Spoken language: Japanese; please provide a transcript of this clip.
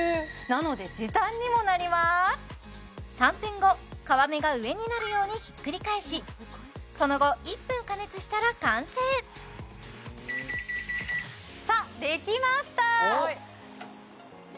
なので時短にもなります３分後皮目が上になるようにひっくり返しその後１分加熱したら完成さっできましたね